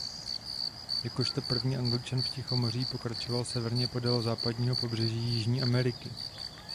Jakožto první Angličan v tichomoří pokračoval severně podél západního pobřeží Jižní Ameriky.